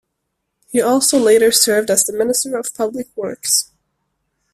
He also later served as the Minister of Public Works.